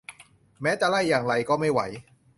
แม้จะไล่อย่างไรก็ไม่ไหว